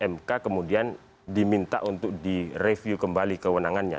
mk kemudian diminta untuk direview kembali kewenangannya